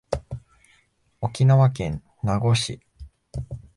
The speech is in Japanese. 沖縄県名護市